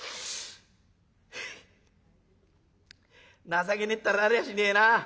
「情けねえったらありゃしねえな。